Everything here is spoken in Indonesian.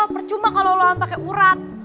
percuma kalo wulan pake urat